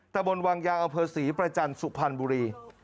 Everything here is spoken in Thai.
ตะบนวังยางอำเภอศรีประจันทร์สุพรรณบุรี